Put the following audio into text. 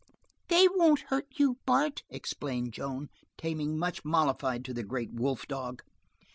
"They won't hurt you, Bart," explained Joan, taming much mollified to the great wolf dog.